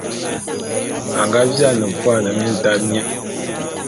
A nga viane vuane mintaé mié.